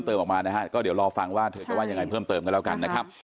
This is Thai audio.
ออกมานะฮะก็เดี๋ยวรอฟังว่าเธอจะว่ายังไงเพิ่มเติมกันแล้วกันนะครับ